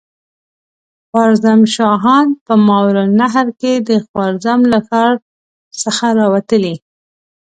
خوارزم شاهان په ماوراالنهر کې د خوارزم له ښار څخه را وتلي.